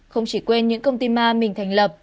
không chỉ quên những công ty ma mình thành lập